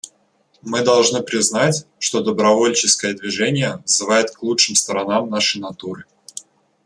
Мы должны признать, что добровольческое движение взывает к лучшим сторонам нашей натуры.